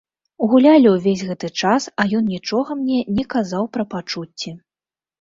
Гулялі ўвесь гэты час, а ён нічога мне не казаў пра пачуцці.